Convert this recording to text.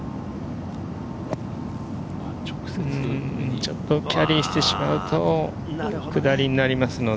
ちょっとキャリーしてしまうと下りになりますので。